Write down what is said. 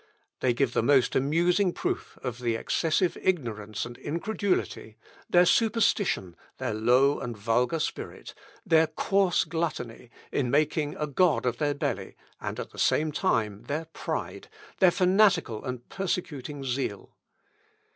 They give the most amusing proof of the excessive ignorance and incredulity, their superstition, their low and vulgar spirit, their coarse gluttony in making a god of their belly, and, at the same time, their pride, their fanatical and persecuting zeal.